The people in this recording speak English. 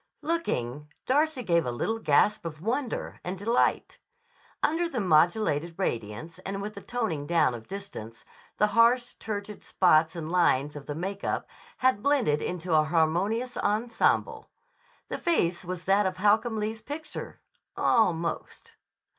Looking, Darcy gave a little gasp of wonder and delight. Under the modulated radiance and with the toning down of distance, the harsh, turgid spots and lines of the make up had blended into a harmonious ensemble. The face was that of Holcomb Lee's picture—almost.